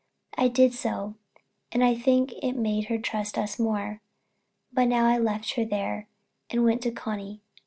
I did so; and I think it made her trust us more. But now I left her there, and went to Connie.